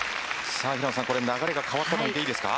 流れが変わったと言っていいですか。